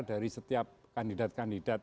dari setiap kandidat kandidat